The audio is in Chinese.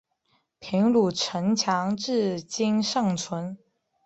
平鲁城墙至今尚存。